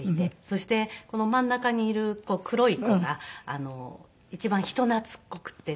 そして真ん中にいる黒い子が一番人懐っこくて。